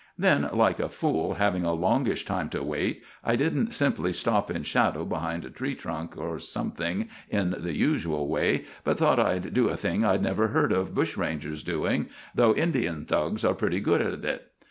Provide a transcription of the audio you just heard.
Then, like a fool, having a longish time to wait, I didn't simply stop in shadow behind a tree trunk or something in the usual way, but thought I'd do a thing I'd never heard of bushrangers doing, though Indian thugs are pretty good at it.